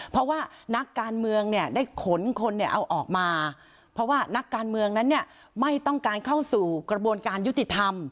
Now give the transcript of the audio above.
เพราะว่านักการเมืองเนี่ยได้ขนคนเนี่ยเอาออกมาเพราะว่านักการเมืองนั้นเนี่ยไม่ต้องการเข้าสู่กระบวนการยุติธรรม